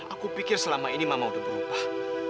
aku pikir selama ini mama untuk berubah